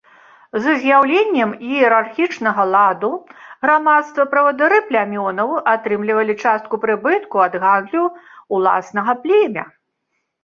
З з'яўленнем іерархічнага ладу грамадства, правадыры плямёнаў атрымлівалі частку прыбытку ад гандлю ўласнага племя.